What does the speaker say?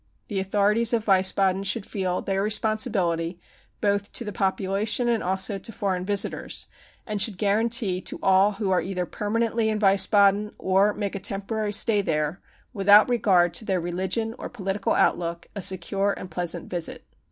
... The authorities of Wiesbaden should feel their responsibility both to the population and also to foreign visitors, and should guarantee to all wHo are either permanently in Wies baden or make a temporary stay there, without regard to their religion or political outlook, a secure and pleasant visit.